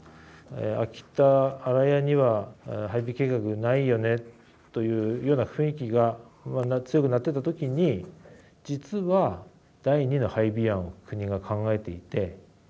秋田・新屋には配備計画ないよねというような雰囲気が不安が強くなってた時に実は第二の配備案を国が考えていて「幻の配備計画」が進んでいた。